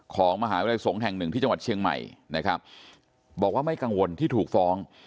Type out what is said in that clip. ของมหาวิทยาลัยสงฆ์แห่งหนึ่งที่จังหวัดเชียงใหม่นะครับบอกว่าไม่กังวลที่ถูกฟ้อง